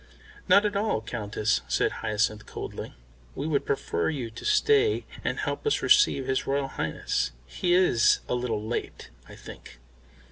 "Not at all, Countess," said Hyacinth coldly. "We would prefer you to stay and help us receive his Royal Highness. He is a little late, I think."